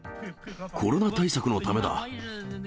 コロナ対策のためだ。